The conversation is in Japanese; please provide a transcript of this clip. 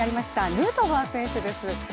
ヌートバー選手です。